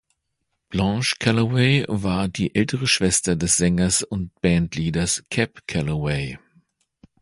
Blanche Calloway war die ältere Schwester des Sängers und Bandleaders Cab Calloway.